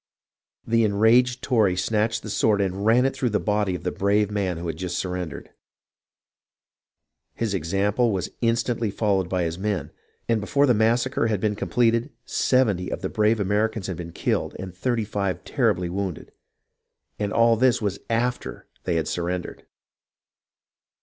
The enraged Tory snatched the sword and ran it through the body of the brave man who had just surrendered. His example was instantly followed by his men, and before the massacre had been completed, 70 of the brave Ameri cans had been killed and 35 terribly wounded. And all this was after they had surrendered